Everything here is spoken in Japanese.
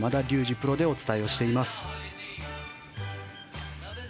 プロでお伝えしております。